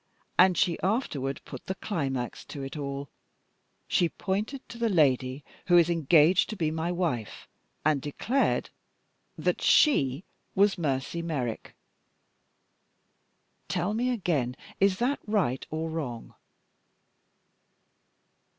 And she afterward put the climax to it all: she pointed to the lady who is engaged to be my wife, and declared that she was Mercy Merrick. Tell me again, is that right or wrong?"